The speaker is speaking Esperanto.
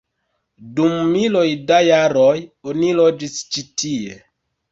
Dum miloj da jaroj oni loĝis ĉi tie.